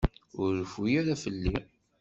Ur reffu ara fell-i.